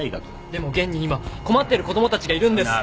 でも現に今困ってる子供たちがいるんです。